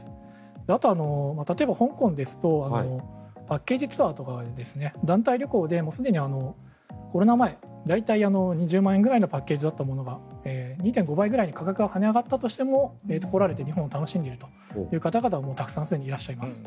あと、例えば香港ですとパッケージツアーとか団体旅行で、すでにコロナ前大体２０万円ぐらいのパッケージだったものが２．５倍ぐらいに価格が跳ね上がったとしても来られて日本を楽しんでいるという方々がたくさんすでにいらっしゃいます。